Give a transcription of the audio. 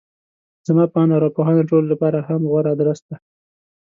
زما په اند ارواپوهنه د ټولو لپاره يې هم غوره ادرس دی.